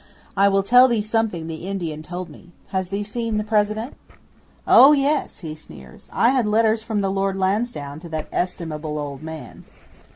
I will tell thee something the Indian told me. Has thee seen the President?" '"Oh yes!" he sneers. "I had letters from the Lord Lansdowne to that estimable old man."